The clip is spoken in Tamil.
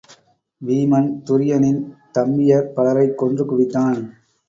வீமன் துரியனின் தம்பியர் பலரைக் கொன்று குவித்தான்.